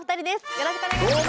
よろしくお願いします。